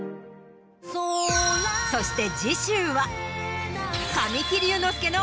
そして。